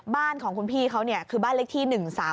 บ้านของคุณพี่เขาคือบ้านเลขที่๑๓